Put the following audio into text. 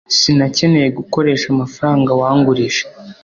Sinakeneye gukoresha amafaranga wangurije